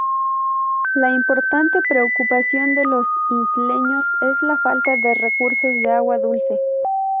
La importante preocupación de los isleños es la falta de recursos de agua dulce.